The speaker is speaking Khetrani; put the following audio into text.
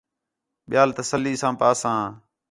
ٻیال تسلّی ساں پاساں